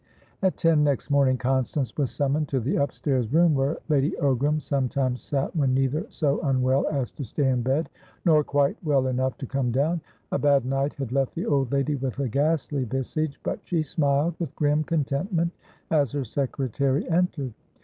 At ten next morning, Constance was summoned to the upstairs room where Lady Ogram sometimes sat when neither so unwell as to stay in bed nor quite well enough to come down. A bad night had left the old lady with a ghastly visage, but she smiled with grim contentment as her secretary entered.